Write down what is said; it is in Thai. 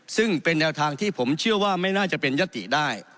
ซึ่งเป็นแนวทางที่ผมเชื่อว่าไม่น่าจะเป็นยติได้